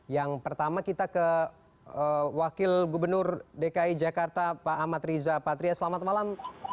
yang pertama kita ke wakil gubernur dki jakarta pak ahmad riza patria selamat malam